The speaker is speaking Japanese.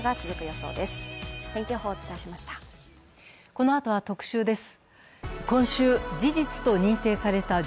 このあとは特集です。